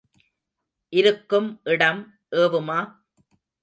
இருக்கும் இடம் ஏவுமா?